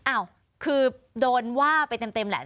อ้าวคือโดนว่าไปเต็มแหละ